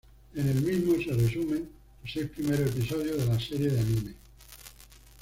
En el mismo se resumen los seis primeros episodios de la serie de anime.